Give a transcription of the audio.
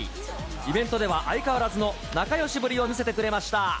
イベントでは相変わらずの仲よしぶりを見せてくれました。